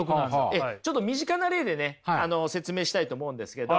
ちょっと身近な例でね説明したいと思うんですけど。